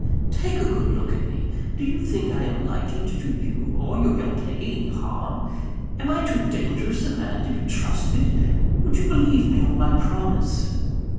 "Take a good look at me! Do you think I am likely to do you or your young lady any harm? Am I too dangerous a man to be trusted? Would you believe me on my promise?"